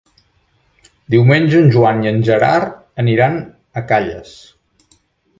Diumenge en Joan i en Gerard aniran a Calles.